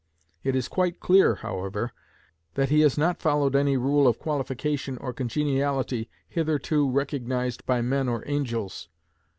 It is quite clear, however, that he has not followed any rule of qualification or congeniality hitherto recognized by men or angels.